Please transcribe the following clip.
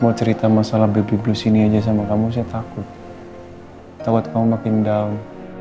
mau cerita masalah baby blues ini aja sama kamu saya takut takut kamu makin down